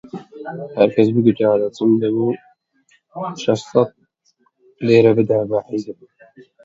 هەر کەس بیگوتایە دەچم، دەبوو شەشسەد لیرە بدا بە حیزب